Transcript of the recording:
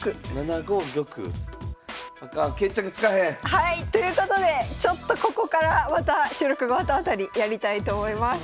はいということでちょっとここからまた収録が終わったあとにやりたいと思います。